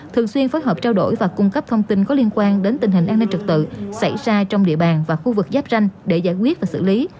thường xuyên phối hợp trao đổi và cung cấp thông tin có liên quan đến tình hình an ninh trật tự xảy ra trong địa bàn và khu vực giáp ranh để giải quyết và xử lý